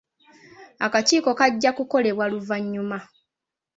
Akakiiko kajja kukolebwa oluvannyuma.